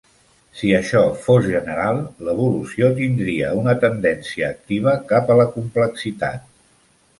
Si això fos general, l'evolució tindria una tendència activa cap a la complexitat.